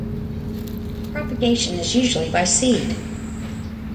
Propagation is usually by seed.